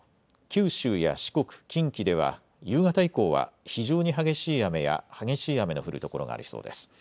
九州や四国、近畿では夕方以降は非常に激しい雨や激しい雨の降る所がありそうです。